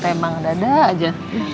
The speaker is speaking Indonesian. tante temang dada aja